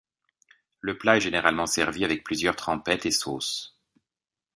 Le plat est généralement servi avec plusieurs trempettes et sauces.